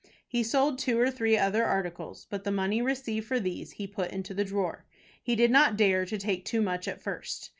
He sold two or three other articles, but the money received for these he put into the drawer. He did not dare to take too much at first.